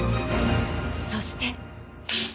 そして。